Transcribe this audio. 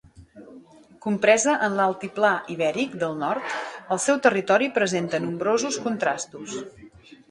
Compresa en l'altiplà ibèric del nord, el seu territori presenta nombrosos contrastos.